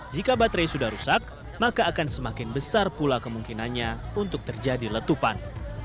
jika baterai sudah rusak maka akan semakin besar pula kemungkinannya untuk terjadi letupan